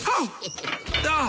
ああ！